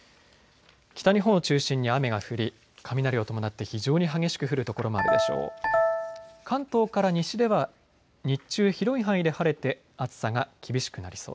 北日本を中心に雨が降り雷を伴って非常に激しく降る所もあるでしょう。